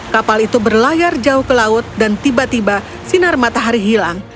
kapal itu berlayar jauh ke laut dan tiba tiba sinar matahari hilang